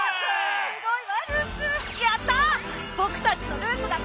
すごいわルース！やった！